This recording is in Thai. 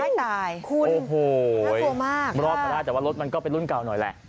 ตายคุณโอ้โหกลัวมากรอดมาได้แต่ว่ารถมันก็เป็นรุ่นเก่าหน่อยแหละ